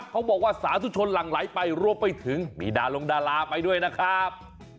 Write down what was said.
เขาบอกว่าสาธุชนหลั่งไหลไปรวมไปถึงมีดารงดาราไปด้วยนะครับ